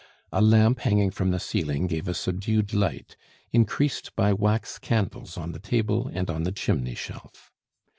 A lamp hanging from the ceiling gave a subdued light, increased by wax candles on the table and on the chimney shelf.